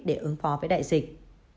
để ứng phó với đại dịch